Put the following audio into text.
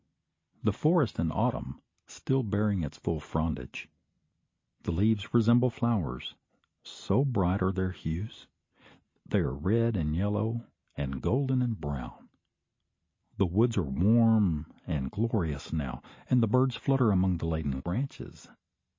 The forest in autumn; still bearing its full frondage. The leaves resemble flowers, so bright are their hues. They are red and yellow, and golden and brown. The woods are warm and glorious now, and the birds flutter among the laden branches.